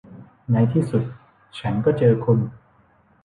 ในที่สุดฉันก็เจอคุณ